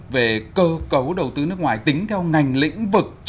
về cơ cấu đầu tư nước ngoài tính theo ngành lĩnh vực